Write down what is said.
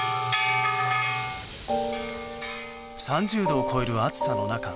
３０度を超える暑さの中